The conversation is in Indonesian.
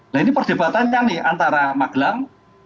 nah ini perdebatannya nih antara magelang